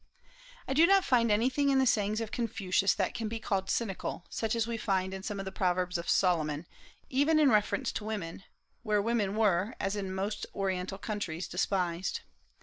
I do not find anything in the sayings of Confucius that can be called cynical, such as we find in some of the Proverbs of Solomon, even in reference to women, where women were, as in most Oriental countries, despised.